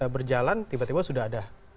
berjalan tiba tiba sudah ada